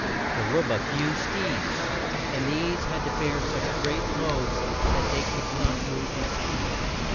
There were but few steeds, and these had to bear such great loads that they could not move with speed.